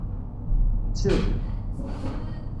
Ttel.